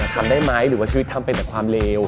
ทำได้ไหมหรือว่าชีวิตทำเป็นแต่ความเลว